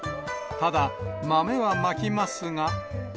ただ、豆はまきますが。